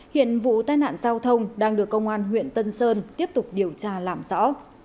hiện vụ tai nạn giao thông đang được công an huyện tân sơn tiếp tục điều tra làm rõ